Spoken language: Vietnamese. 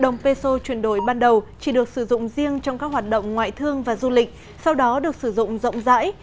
đồng peso chuyển đổi ban đầu chỉ được sử dụng riêng trong các hoạt động ngoại thương và du lịch sau đó được sử dụng rộng rãi